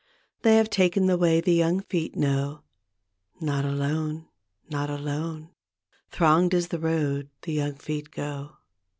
They have taken the way the young feet know; Not alone, not alone I Thronged is the road the young feet go.